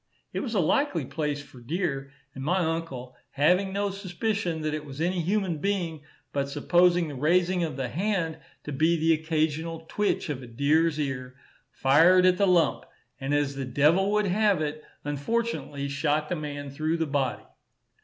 It was a likely place for deer; and my uncle, having no suspicion that it was any human being, but supposing the raising of the hand to be the occasional twitch of a deer's ear, fired at the lump, and as the devil would have it, unfortunately shot the man through the body.